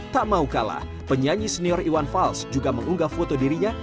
tak mau kalah penyanyi senior iwan fals juga mengunggah foto dirinya